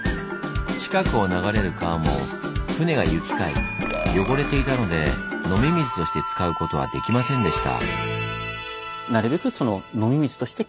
近くを流れる川も舟が行き交い汚れていたので飲み水として使うことはできませんでした。